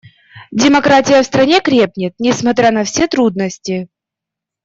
Демократия в стране крепнет, несмотря на все трудности.